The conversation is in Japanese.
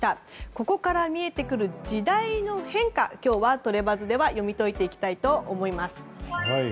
ここから見えてくる時代の変化を今日はトレバズでは読み解いていきたいと思います。